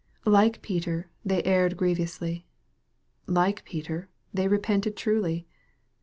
Like Peter, they erred grievously. Like Peter, they repented truly.